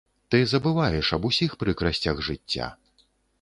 Ты забываеш аб усіх прыкрасцях жыцця.